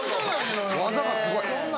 技がすごい。